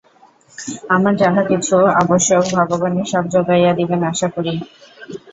আমার যাহা কিছু আবশ্যক, ভগবানই সব যোগাইয়া দিবেন, আশা করি।